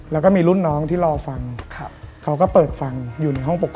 แล้วก็มีรุ่นน้องที่รอฟัง